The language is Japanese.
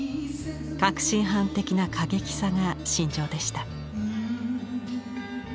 確信犯的な過激さが身上でした。